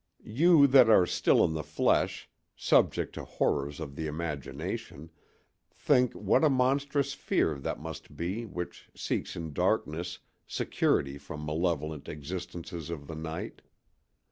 You that are still in the flesh, subject to horrors of the imagination, think what a monstrous fear that must be which seeks in darkness security from malevolent existences of the night.